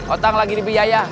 otang lagi di biaya